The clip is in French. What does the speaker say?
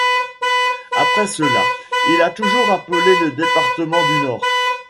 Après cela, il a toujours appelé le Département du Nord.